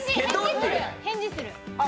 返事する？